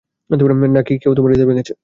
নাকি, কেউ তোমার হৃদয় ভেঙেছে?